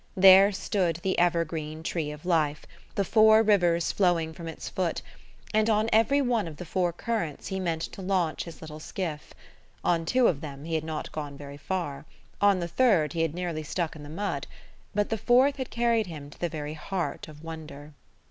There stood the evergreen Tree of Life, the Four Rivers flowing from its foot; and on every one of the four currents he meant to launch his little skiff. On two of them he had not gone very far, on the third he had nearly stuck in the mud; but the fourth had carried him to the very heart of wonder.